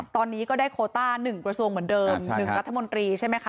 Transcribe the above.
ตอนนี้ก็ได้โคต้า๑กระทรวงเหมือนเดิม๑รัฐมนตรีใช่ไหมคะ